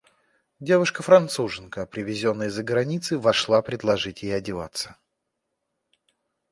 Девушка-Француженка, привезенная из-за границы, вошла предложить ей одеваться.